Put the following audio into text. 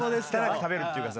食べるっていうとこから。